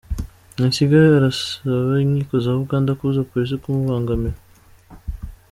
Besigye arasaba inkiko za Uganda kubuza Polisi kumubangamira